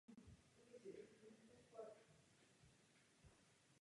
Několik členských států stále představuje blokující menšinu.